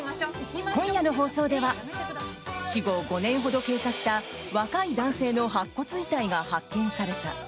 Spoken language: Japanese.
今夜の放送では死後５年ほど経過した若い男性の白骨遺体が発見された。